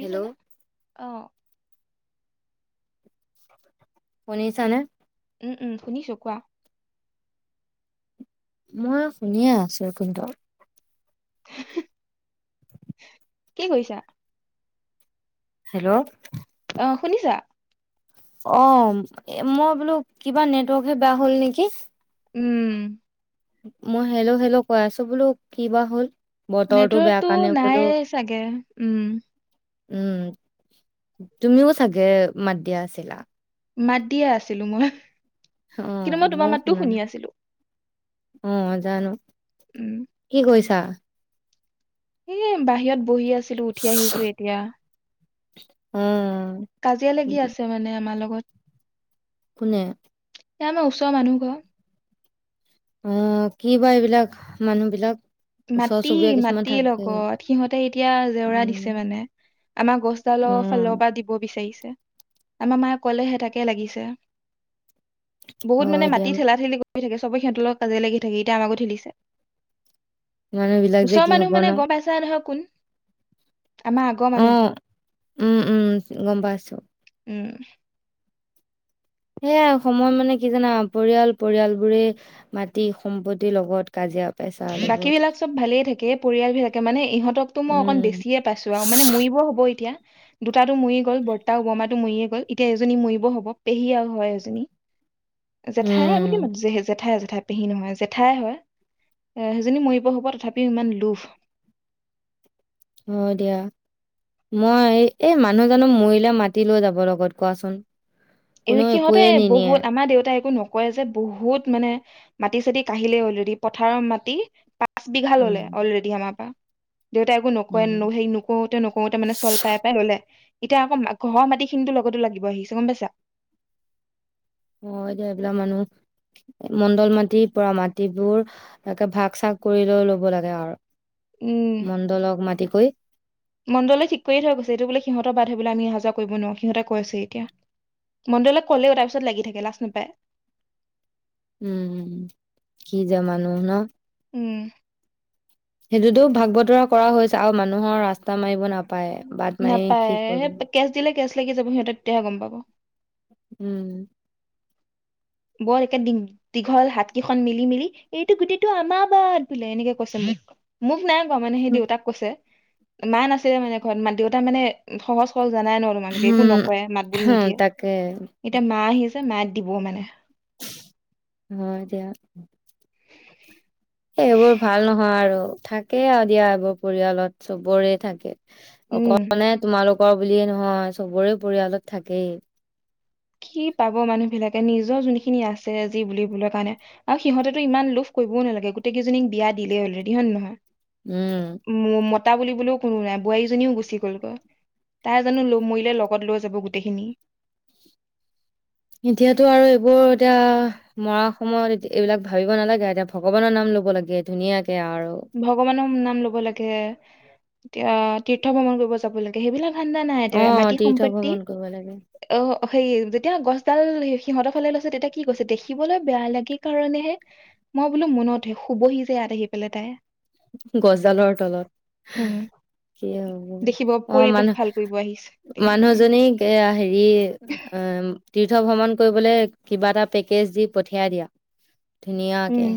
Hello অ শুনিছা নে উম উম শুনিছো কোৱা মই শুনিয়ে আছো কিন্তু ়কি কৰিছা হেল্ল' অ শুনিছা অ মই বোলো কিবা নেটৱৰ্কে বেয়া হ'ল নেকি উম মই হেলল' হেল্ল' কৈ আছো বোলো কি বা হ'ল বতৰটো বেয়া নেটৱৰ্কতটো কাৰণে বোলো নাইে চাগে উম উম তুমিও চাগে মাত দিয়া আছিলা মাত দিয়ে আছিলো মই অ কিন্তু মই তোমাৰ ময়ো মাতটো শুনা নাই শুনি আছিলো অ জানো উম, কি কৈচে? টা এ বাহিৰত বহি আছো ছিলো উঠি আহিছো এতিয়া উম কাজিয়া লাগি আছে মানে আমালগত ক'ত কোনে? এ আমাৰ ওচৰৰ মানুহ ঘৰ অ কি বা এইবিলাক মানুহ বিলাক ওচৰ মাটি চুবুৰীয়া কিছুমান মাটি থাকে। লগত সিহঁতে এতিয়া জেওৰা দিছে উম মানে আমাৰ গছ ডালৰ ফালৰ উম পৰা দিব বিচাৰিছে আমাৰ মায়ে কলে হে তাকে লাগিছে বহুত হয় মানে দিয়া মাটি ঠেলা ঠেলি গ থাকে চবে সিহঁতৰ লগত কাজিয়া লাগি থাকে এতিয়া আমাকো ঠেলিছে মানুহ বিলাক যে ওচৰ কি হব মানুহ ন? মানে গম পাইছা নহয় কোন আমাৰ আগৰ অ মানুহ ঘৰ উম উম গম পাইছো উম সেয়াই সময় মানে কি জানা পৰিয়াল পৰিয়াল বোৰে মাটি সম্পত্তিৰ লগত কাজিয়া পেচাল বাকী এইবোৰ। বিলাক চব ভালেই থাকে পৰিয়ালবিলাকে মানে ইহঁতকতো মই অকন উম, বেছিয়ে পাইছো আৰু মানে মৰিবও হ'ব এতিয়া দুটাতো মৰি গ'ল বৰ্তা ওবমাটো মৰিয়ে গ'ল এতিয়া এজনী মৰিব হব পেহী হয় এজনী জেঠাই বুলি উম, মাতে‌ জেঠাই জেঠু জেঠাই পেহী নহয় জেঠাই হয় এ সেইজনী মৰিব হ'ব তথাপিও ইমান লোভ হয় দিয়া মই এই মানুহজানো মৰিলে মাতি লৈ যাব লগত কোৱাচোন এই কোনেও সিহঁতে একোৱে নিনিয়ে। বহুত আমাৰ দেউতাই একো নক ক ই যে বহুত মানে মাটি চাটি কিহিলে আলৰেডি পথাৰৰ মাটি পাঁচ বিঘা উম, ললে অলৰেডি আমাৰ পৰা দেউতাই একো নকয় উম। সেৰি নকোতে নকোতে মানে চল পাই পাই ললে এতিয়া আকৌ ঘৰৰ মাটি খিনি লগতো লাগিব আহিছে গম পাইছা অ এতিয়া এইবিলাক মানুহ মণ্ডল মাতি পুৰা মাটিবোৰ একে ভাগ চাগ কৰি লৈ ল'ব লাগে আৰু উম মণ্ডলক মাতি কৰি। মণ্ডলৈ ঠিক কৰিয়ে থৈ গৈছে এইটো বোলে সিহঁতৰ বাট সেইফালে আমি অহা যোৱা কৰিব নোৱাৰো সিহঁতে কৈ আছে এতিয়া মণ্ডলে ক'লেও তাৰ পিছত লাগি থাকে লাজ নাপায় উম কি যে মানুহ ন উম সেইটোতো ভাগ বতৰা কৰা হৈছে আৰু মানুহৰ ৰাস্তা মাৰিব নাপ নাপায় কেচ দিলে কেচ লাগি যাব সিহঁত তেতিহে গম পাব উম বৰ একে দীঘল হাত কেইখন মেলি মেলি এইটো গুটিটো আমাৰ বাদ বোলে এনেকে কৈছে মোক মোক নাই মানে সেই দেউতাক কৈছে মা নাছিলে মানে ঘৰত দেউতা মানে সহজ সৰল জানাই ন তোমালোকে একো নকৰে মাত বুলি নিদিয়ে তাকে এতিয়া মা আহি মাত দিবও মানে অ হয় দিয়া সেইবোৰ ভাল নহয় আৰু থাকেই আৰু দিয়া এইবোৰ পৰিয়ালত চবৰে থাকে উম অকলে তোমালোক কৰ বুলিয়ে নহয় চবৰে পৰিয়ালত থাকেই কি পাব মানুহ বিলাকে নিজৰ যোনখিনি খিনি আছে যি বুল বৰ কাৰণে আৰু সিহঁতে ইমান লোভ কৰিবও নালাগে গোটেই কেইজনীক বিয়া দিলে অলৰেডি হয় নে নহয় উম ম- মতা বুলিবুললেও কোনো নাই বোৱাৰীজনীও গুচি গলগৈ তাই এ জানো লোভ মৰিলে লগত লৈ যাব গোটেইখিনি এতিয়াতো আৰু এইবোৰ এতিয়া মৰা সময়ত এইবিলাক ভাবিব নালাগে এতিয়া ভগৱানৰ নাম ল'ব লাগে ধুনীয়াকে আৰু ভগৱানৰ নাম লব লাগে এতিয়া তীৰ্থ ভ্ৰমণ কৰিব যাব লাগে সেইবিলাক ঠাণ্ডা অ নাই মাটি তীৰ্থ সম্পত্তি ভ্ৰমণ কৰিব লাগে অ সেই যেতিয়া গছডাল সিহঁতৰ ফালে লৈছে তেতিয়া কি কৈছে দেখিবলৈ বেয়া লাগে কাৰণেহে মই বোলো মনতহে শুবহি যে ইয়াত আহি পেলাই তাই গজালৰ তলত উম কি হব দেখিব অ পৰিৱেশ ভাল কৰিব আহিছে তে, মানুহ মানুহজনী হেৰি যি অম তীৰ্থ ভ্ৰমণ কৰিবলৈ কিবা এটা পেকেজ দি পঠিয়াই দিয়া ধুনিয় কে উম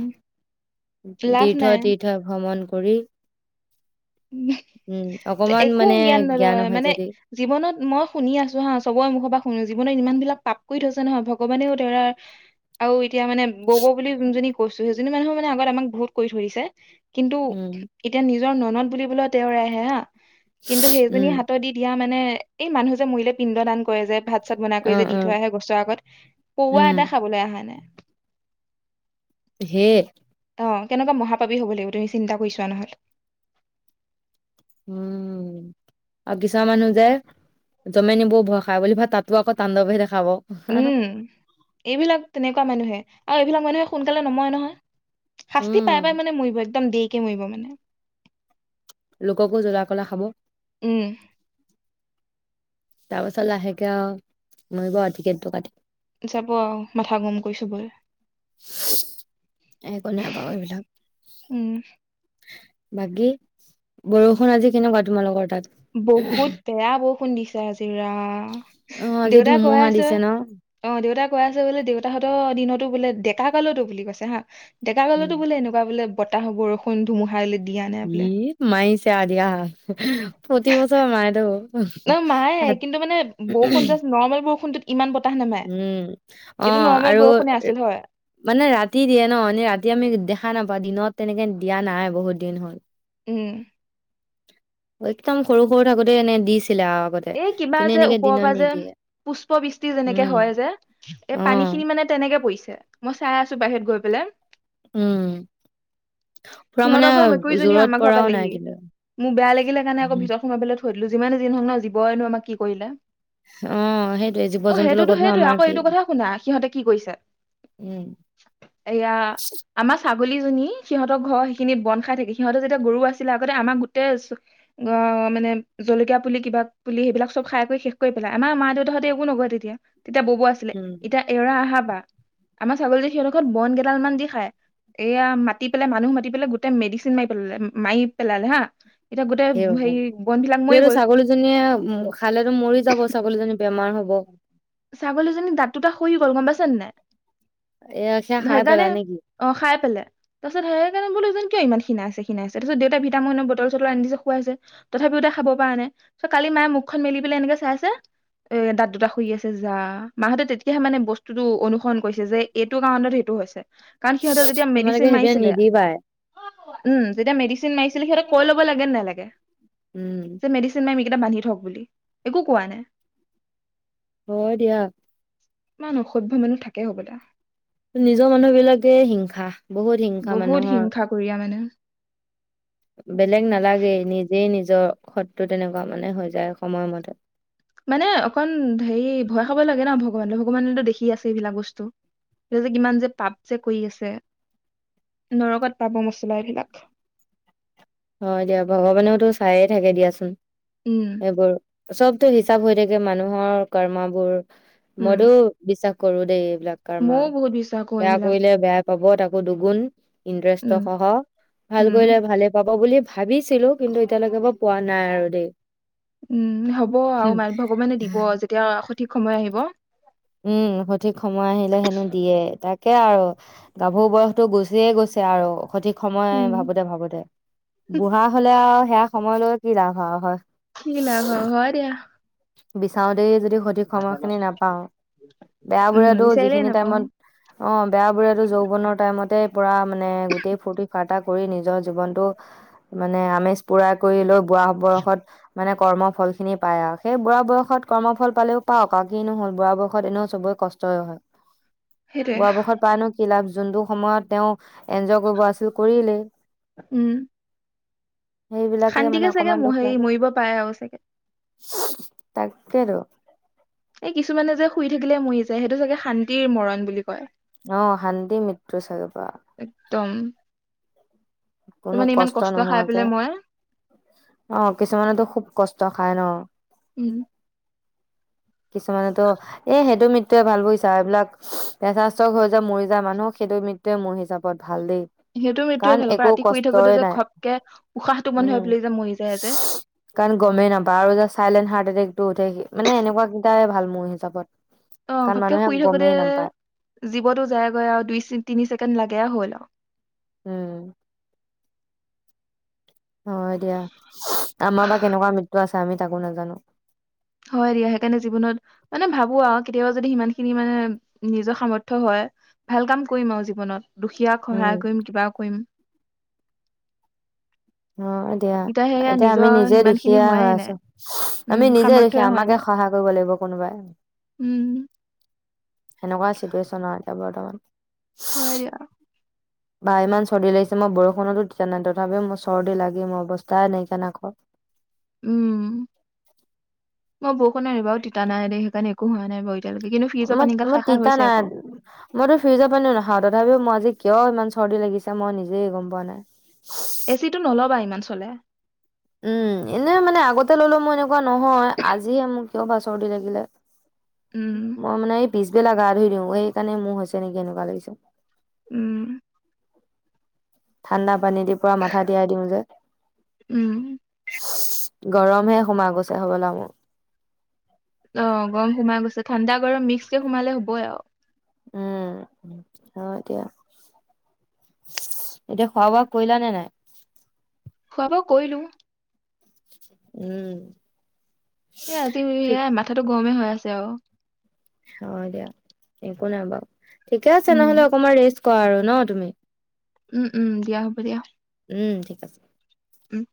লাভ দিথ‌য় দিথয় ভ্ৰমণ কৰি উ উম, অকমান একো মানে জ্ঞান নলয় হয় মানে যদি জীৱনত মই শুনি আছো হা চবৰে মুখ পৰা শুনো জীৱনৰত ইমান বিলাক পাপকৈ থৈছে নহয় ভগৱানেও ধৰা আৰু তেতিয়া মানে বৌ বৌ বুলি যোনজনীক কৈছো সেইজনী মানুহে মানে আগত আমাক বহুত কৰি থৈ দিছে কিন্তু উম, এতিয়া নিজ তেওঁ ননদ বুলি বোলে তেওঁ আহে হা কিন্তু সেইজনী উম, হাতত দি দিয়া মানে এই মানুহ যে মৰিলে পিণ্ড দান কৰে যে ভাত পাছত বনাই কৰি যে অ', দি থৈ অ', আহে গছৰ আগত, পৰুৱা উম, এটা খাবলৈ আহা নাই হে অ কেনেকুৱা মহাপাপী হ'ব লাগিব তুমি চিন্তা কৰিছোৱা নহলে উম আৰু কিছুমান মানুহ যে জমে‌ নিবৌ ভয় খাই বুলি ভাবে তাতো আকৌ তাণ্ডৱহে দেখাব উম এইবিলাক তেনেকুৱা মানুহে আৰু এইবিলাক মানুহে সোনকালে নময় নহয় শাস্তি উম, পাই পাই মানে মৰিব একদম দি কে মৰিব মানে লোককো জলা কলা খাব উম তাৰ পাছত লাহেকে আৰু মৰিব টিকেটটো কাটি যাব আৰু মাথা গৰম কৰি চবই একো নাই বাৰু এইবিলাক উম বাকী বৰষুণ আজি কেনেকুৱা তোমালোকৰ তাত বহুত বেয়া বহুত বৰুষুণ দিছে আজি ৰা অ আজি দেউতাই কৈ ধুমুহা আছে দিছে ন অ দেউতাক কৈ আছে বোলে দেউতাহতৰ দিনতো বোলে ডেকা কালতো বুলি কৈছে হা ডেকা কালতো উম বোলে এনেকুৱা বোলে বতাহ বৰষুণ ধুমহা ই মাইছে আ দিয়া প্ৰতি বছৰ মাই দে নহ মায়ে কিন্তু মানে বৰষুণ জাক নৰ্মেল বৰষুণটো উম অ নৰ্মেল আৰু বৰষুণে আছিল হয় মানে ৰাতি দিয়ে ন এনেই ৰাতি আমি দেখা নাপাওঁ দিনত তেনেকে দিয়া নাই বহুত দিন হ'ল উম একদম সৰু সৰু থাকোতে এনে দিছে এই কিবা যে ওপৰৰ পৰা যে নিদিয়ে পুষ্পবৃষ্টি যেনেকে উম হয় যে এই অ পানী খিনি মানে তেনেকে পৰিছে মই চাই আছো বাহিৰত গৈ পেলাই উম পুৰা মানে সিহঁতৰ ঘৰ মেকুৰীজনী জোৰত আমাৰ ঘৰ পৰাও নাই পালেহি কিন্তু মোক বেয়া লাগিলে কাৰণে আকৌ ভিতৰত সোমাব প ভলো যিমানে যি নহওঁক নি বয়নো আমাক কি কৰিলে অ সেইটোয়ে জীৱ অঁ জন্তুৰ সেইটোতো লগত নো সেইটো আমাৰ আকৌ কি এইটো কথা শুনা সিহঁতে কি কৰিছে উম এয়া আমাৰ ছাগলীজনী সিহঁতৰ ঘৰ সেইখিনি বন খাই থাকে সিহঁতৰ যেতিয়া গৰু আছিলে আগতে আমাক গোটেই মানে জলকীয়া পুলি কিবা পুলি সেইবিলাক চব খাই কৰি শেষ কৰি পেলাই আমাৰা দেউতাহঁতে একো নকয় তেতিয়া তেতিয়া বব আছিলে উম এতিয়া এৰা অহা আমাৰ ছাগলী যে সিহঁৰঘৰত বন গেইডাল মান দি খাই এয়া মাতি পেলাই মানুহ মাতি পেলাই গোটেই মেডিচিন মাৰি পেলালে মাৰি পেলালে হা এতিয়া গোটেই সেই হেৰি বনবিলাক মৰি গল উম খালেতো মৰি যাব ছাগলীজনি ছাগলীজনী দাঁত দুটা শৰি গ'ল গম চেন্নাই এয়া সেয়া খাই পেলা সেইকাৰণে নেকি অঁ খাই পেলাই তাৰ পিছত সেই কাৰণে বোলো যে কিয় ইমান ক্ষিণাইছে আছে ক্ষিণাই আছে এইটো যে আছে দেউতাই ভিটামিননৰ বটল চটল আনিছে খুৱাইছে তথাপিওতে খাব প পৰা নাই চ কালি মায়ে মুখখন মেলি পেলাই এনেকে চাইছে দাত দুটা শুই আছে যা মাহঁতে তেতিয়াহে মানে বস্তুতটো অনুসৰণ কৰিছে যে এইটো কাৰণত সেইটো হৈছে কাৰণ সিহঁতৰ যেতিয়া তোমালোকে মেডিচিন সেইবিলাক মাৰছিলে, নিদিবাই উম যেতিয়া মেডিচিন মাৰিছিলে সিহঁতৰ কৈ ল'ব লাগে নে লাগে উম যে মেডিচিন নাই কেইটা বান্ধি থওক বুলি একো কোৱা নাই হয় দিয়া ইমান অসভ্য মানুহ থাকেই হ'ব লা নিজৰ মানুহ বিলাকে হিংসা বহুত হিংসা বহুত মানুহৰ হিংসা কৰিয়া মানে বেলেগ নালাগে নিজেই নিজ নিজৰ শত্ৰু তেনেকুৱা মানে হৈ যায় সময়মতে মানে অকন হেৰি ভয় খব লাগে ন ভগৱানলৈ ভগৱানেতো দেখি আছে এইবিলাক বস্তু এই যে কিমান যে পাপ যে কৰি আছে নৰকত পাব মছলা এইবিলাক হয় দিয়া ভগৱানেওতো চায়ে থাকে দিয়াচোন উম সেইবোৰ সবটো হিচাপ হৈ থাকে মানুহৰ কৰ্ম বোৰ উম মোৰো বিশ্বাস গুৰুদেৱ এইবিলাক কাৰ মাল ময়ও বহুত বিশ্বাস কৰো বেয়া এইবিলাক কৰিলে বেয়া পাব তাকৌ দুগুণ ইন্দ্ৰস্থ উম সহ ভাল উম কৰিলে ভালে হব বুলি ভাবিছিলো কিন্তু এতিয়ালৈকে মই পোৱা নাই আৰু দেই উম হ'ব হুম। আৰু মানে ভগৱানে দিব যেতিয়া সঠ ঠিক সময় আহিব উম সঠিক সময় আহিলে হেনো দিয়ে তাকে আৰু গাভৰু বয়সটো গুচিয়ে গৈছে আৰু সঠিক সময় উম ভাবোতে ভাবোতে বুঢ়া হলে আৰু সেয়া সময় লই কি লাভ হয় হয় কি লাভ হয় হয় দিয়া বিচাওতে যদি সঠিক সময়খিনি নাপাও বেয়া উম বোৰেটো বিচাৰিলেই যিখিনি নাপাও টাইমত অ বেয়া বোৰেটো যৌৱনৰ টাইমতে পুৰা মানে গোটেই ফূৰ্তি ফাৰ্তা কৰি নিজৰ জীৱনটো মানে আমেজ পুৰা কৰি লৈ বুঢ়া বয়সত মানে কৰ্ম ফল খিনি পায় আৰ সেই বুঢ়া বয়সত কৰ্মফল পালেও পাওক আৰু কি নু হল বুঢ়া বয়সত এনেও চবৰে কষ্টই হয় সেইটোৱে বুঢ়া বয়সত পাই নু কি লাভ যোনটো সময়ত তেওঁ এনজয় কৰিব আছিল কৰিলে উম সেইবিলাকে মানে শান্তিকে চাগে অকমান ম হেৰি মৰিব পাৰে আৰু চাগে তাকে তৌ এই কিছুমানে যে শুই থাকিলে মৰি যায় সেইটো চাগে শান্তিৰ মৰণ বুলি কয় অ শান্তিৰ মৃত্যু চাগে বা একদম তাৰ কোনো মানে ইমান কষ্ট খাই নোহোৱাকে পেলাই মই অ কিছুমানেতো খুব কষ্ট খাই ন উও কিছুমানেতো এই সেইটো মৃত্যুয়ে ভাল বুজিচা এইবিলাক প্ৰেচাৰষ্টক হৈ যে মৰি যায় মানুহ সেইটো মৃত্যুয়ে মোৰ হিচাপত ভাল দেই সেইটো মৃত্যুয়ে কাৰণ ভাল আকৌ একো ৰাতি শুই থাকোতে কষ্টই যে নাই ঘপকে উশাহটো বন্ধ হৈ উম পেলাই যে মৰি যায় যে সি কাৰণ গমেই নাপায় আৰু যে চাইলেণ্ট হাৰ্ট এটেক টু উঠেহি মানে এনেকুৱা তাই ভাল মোৰ হিচাপত অ কাৰণ ভাবকে মানুহে শুই থাকোতে গমেই নাপায় জীৱতো যায়গৈ আৰু দুই তিনি ছেকেণ্ড লাগে হ'ল আৰু উম। হয় দিয়া। আমাৰ বা কেনেকুৱা মৃত্যু আছে। আমি তাকো নাজানো। হয় দিয়া সেইকাৰণে জীৱনত মানে ভাবো আৰু কেতিয়াবা যদি সিমান খিনি মানে নিজৰ সামৰ্থ হয় ভাল কাম কৰিম আৰু জীৱনত। দুখীয়াক উম সহায় কৰিম কিবা কৰিম। অ দিয়া সেয়া এতিয়া আমি নিজৰ নিজে সিমান খিনি দুখীয়া হোৱাই হৈ নাই আছো আমি উম নিজে দুখীয়া। সামৰ্থ্যই এতিয়া হোৱা আমাকে নাই সহায় কৰিব। লাগিব কোনোবাই। উম। সেনেকুৱা চিটুৱেচন আৰু এতিয়া বৰ্তমান। হয় দিয়া। বা ইমান চৰ্দি লাগিছে মই বৰষুণতো তিতা নাই তথাপিও মোৰ চৰ্দি লাগে মোৰ অৱস্থাই নাইকিয়া নাকৰ উম, মই বৰষুণৰ এইবাৰো তিতা নাই দেই সেইকাৰণে একো হোৱা নাই এতিয়ালৈকে কিন্তু ফ্ৰিজৰ মই পানীগাল মই খাই খাই তিতা হৈছে নাই আকৌ। মইতো ফ্ৰিজৰ পানীও নাখাওঁ তথাপিও মই আজি কিয় ইমান চৰ্দি লাগিছে মই নিজেই গম পোৱা নাই। এচিটো নলবা ইমান চলে। উম এনেই মানে আগতে ললো মই এনেকে এনেকুৱা নহয় আজিয়েই মোক কিয় বা চৰ্দি লাগিলে। উম, মই মানে এই পিছবেলা গা ধুই দিও এইকাৰণে মোৰ হৈছে নেকি এনেকুৱা লাগিছে। উম। ঠাণ্ডা। পানী দি পুৰা মাথা তিয়াই দিওঁ যে। উম। গৰমহে সোমাই গৈছে হব লা মোৰ অ গৰম সোমাই গৈছে ঠাণ্ডা গৰম মিক্সকে সোমালে হ'বই আৰু। উম অ এতিয়া এতিয়া খোৱা বোৱা কৰিলা নে নাই। খোৱা বোৱা কৰিলো। উম। এ আজি ঠিক সেয়াই মাথাতো গৰমে হয় আছে আছে অ। হয় দিয়া একো নাই বাৰু। ঠিকে আছে উম, নহ'লে অকমান ৰেষ্ট কোৱা আৰু ন তুমি উম উম দিয়া হ'ব দিয়া। উম ঠিক আছে। উম